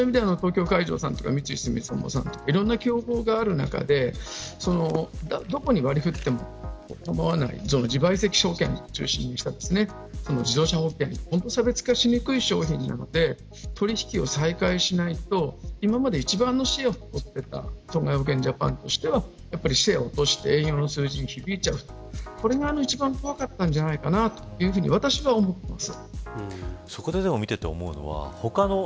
そういう意味ではいろんな競合がある中でどこに割り振っても構わない自賠責保険を中心にした自動車保険は差別化しにくい商品なので取引を再開しないと今まで一番のシェアを持ってた損害保険としてはシェアを落として営業の数字に響くこれが一番怖かったんじゃないかなと私は思っています。